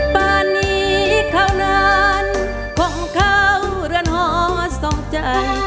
ป่านี้เท่านั้นของเขาเรือนหอส่งใจ